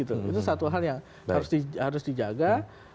itu satu hal yang harus dijaga